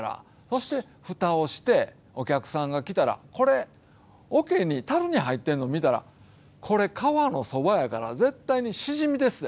そして、蓋をしてお客さんが来たらこれ、たるに入ってるの見たらこれ、川のそばやから絶対に、しじみでっせ。